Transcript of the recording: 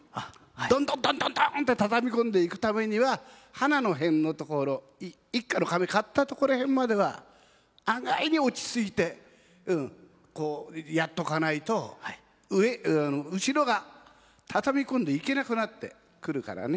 どんどんどんどんどんって畳み込んでいくためにははなの辺のところ１荷の瓶買ったとこら辺までは案外に落ち着いてやっとかないと後ろが畳み込んでいけなくなってくるからね